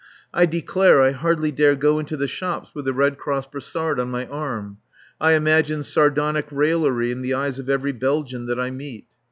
I declare I hardly dare go into the shops with the Red Cross brassard on my arm. I imagine sardonic raillery in the eyes of every Belgian that I meet.